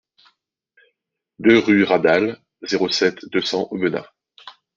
deux rue Radal, zéro sept, deux cents Aubenas